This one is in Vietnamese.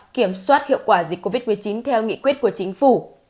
kiểm soát hiệu quả dịch covid một mươi chín theo nghị quyết của chính phủ